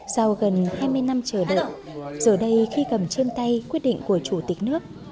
sau gần hai mươi năm chờ đợi giờ đây khi cầm trên tay quyết định của chủ tịch nước